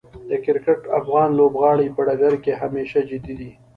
د کرکټ افغان لوبغاړي په ډګر کې همیشه جدي دي.